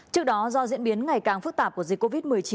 trước đó do diễn biến ngày càng phức tạp của dịch covid một mươi chín